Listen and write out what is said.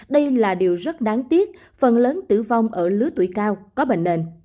đây là điều rất đáng tiếc phần lớn tử vong ở lứa tuổi cao có bệnh nền